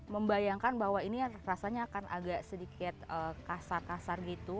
membayangkan bahwa ini rasanya akan agak sedikit kasar kasar gitu